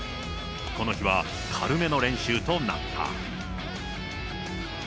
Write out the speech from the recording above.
この日は軽めの練習となった。